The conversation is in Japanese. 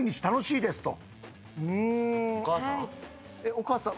お母さん？